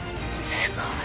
すごい。